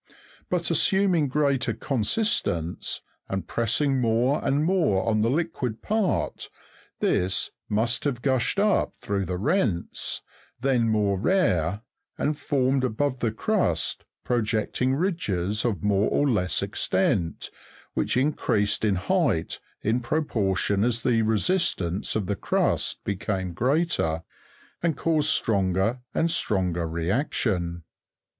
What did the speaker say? But assuming greater consistence, and pressing more and more on the liquid part, this must have gushed up through the rents, then more rare, and formed above the crust projecting ridges, of more or less extent, which increased in height in proportion as the resistance of the. crust became greater, and caused stronger and stronger reaction.